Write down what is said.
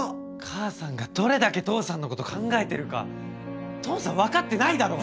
母さんがどれだけ父さんの事考えてるか父さんわかってないだろ！